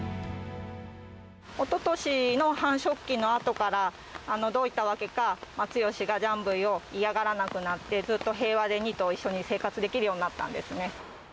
おととしの繁殖期のあとから、どういったわけか、ツヨシがジャンブイを嫌がらなくなって、ずっと平和で２頭一緒に生活できるようになったんですね。